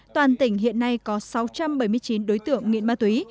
toàn tỉnh hiện nay có sáu trăm bảy mươi chín đối tượng nghiện ma túy